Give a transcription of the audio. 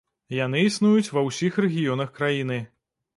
Яны існуюць ва ўсіх рэгіёнах краіны.